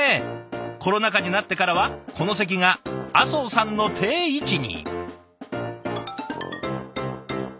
コロナ禍になってからはこの席が阿相さんの定位置に。